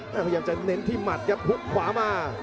พยายามจะเน้นที่หมัดครับหุบขวามา